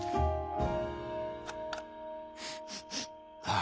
あ。